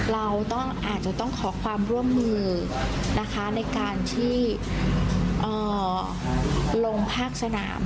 เราต้องอาจจะต้องขอความร่วมมือในการลงภาคสนาม